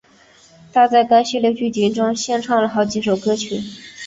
她在该系列剧集中献唱了好几首歌曲。